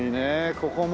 ここも。